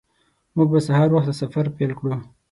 موږ به سهار وخته سفر پیل کړو